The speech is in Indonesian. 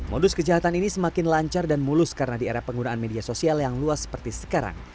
modus kejahatan ini semakin lancar dan mulus karena di era penggunaan media sosial yang luas seperti sekarang